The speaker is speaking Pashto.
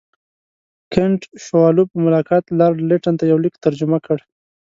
کنټ شووالوف په ملاقات کې لارډ لیټن ته یو لیک ترجمه کړ.